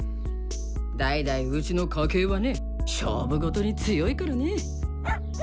代々うちの家系はね勝負事に強いからね！